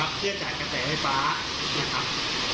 เพื่อจ่ายการไฟฟ้านัตตรก